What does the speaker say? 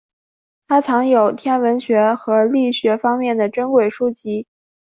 他藏有天文学和力学方面的珍贵书籍。